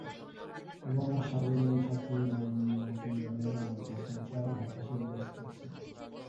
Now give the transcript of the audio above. ওবামার সার্বজনীন স্বাস্থ্যবিমা আইন নিয়ে মার্কিন জনগণের মধ্যে এখন চরম হতাশা বিরাজ করছে।